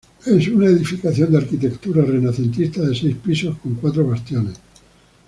Es una edificación de arquitectura renacentista de seis pisos con cuatro bastiones.